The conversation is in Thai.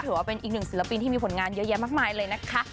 ถือว่าเป็นอีกหนึ่งศิลปินที่มีผลงานเยอะแยะมากมายเลยนะคะ